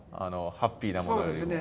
ハッピーなものよりも。